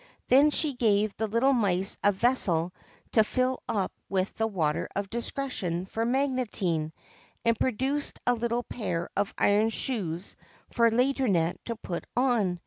Then she gave the little mice a vessel to fill up with the Water of Discretion for Magotine, and produced a little pair of iron shoes for Laideronnette to put on.